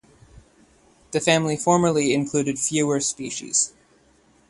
The family formerly included fewer species.